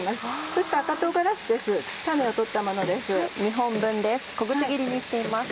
そして赤唐辛子です種を取ったものです。